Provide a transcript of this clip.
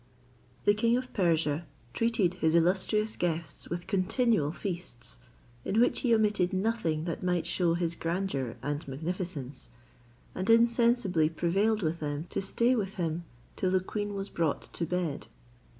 The king of Persia treated his illustrious guests with continual feasts; in which he omitted nothing that might shew his grandeur and magnificence, and insensibly prevailed with them to stay with him till the queen was brought to bed.